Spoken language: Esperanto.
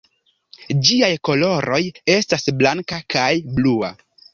Ĝiaj koloroj estas blanka kaj blua.